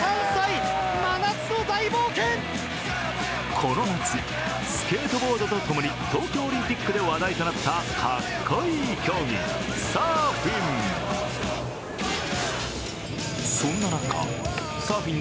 この夏、スケートボードとともに東京オリンピックで話題となったかっこいい競技サーフィン。